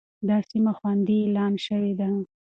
دا سيمه خوندي اعلان شوې ده.